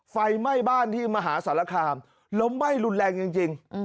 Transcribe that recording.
ไฟไหม้บ้านที่มหาสารคามแล้วไหม้รุนแรงจริง